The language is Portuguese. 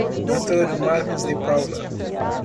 Antônio Marcos de Paula